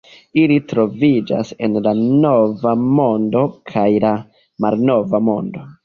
Ili troviĝas en la Nova Mondo kaj la Malnova Mondo.